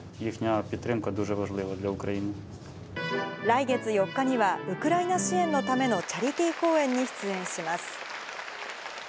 来月４日には、ウクライナ支援のためのチャリティー公演に出演します。